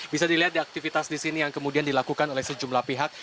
bisa dilihat di aktivitas di sini yang kemudian dilakukan oleh sejumlah pihak